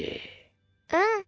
うん。